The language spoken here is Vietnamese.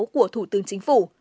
của thủ tướng chính phủ